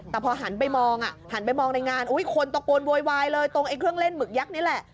แต่พอหันไปมองในงานคนตะโกนโวยเลยตรงเครื่องเล่นหมึกยักษ์นี่แหละ